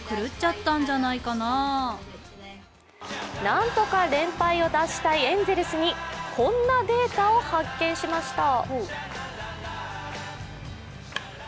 なんとか連敗を脱したいエンゼルスにこんなデータを発見しました。